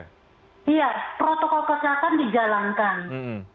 iya protokol kesehatan dijalankan